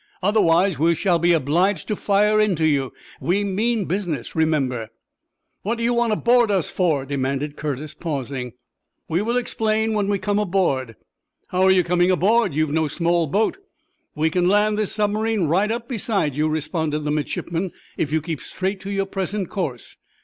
Otherwise we shall be obliged to fire into you. We mean business, remember!" "What do you want to board us for?" demanded Curtis, pausing. "We will explain when we come aboard." "How are you coming, aboard? You've no small boat." "We can land this submarine right up beside you," responded the midshipman, "if you keep straight to your present course."